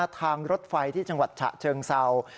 ทางรถไฟที่จังหวัดฉะเชิงเศร้า